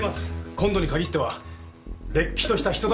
今度に限ってはれっきとした人助けなんです。